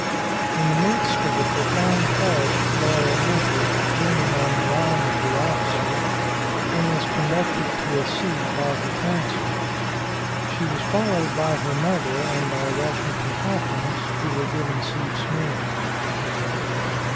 In the midst of a profound hush Laura entered, leaning on the arm of the officer, and was conducted to a seat by her counsel. She was followed by her mother and by Washington Hawkins, who were given seats near her.